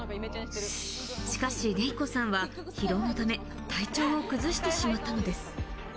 しかし、レイコさんは疲労のため体調を崩してしまったのです。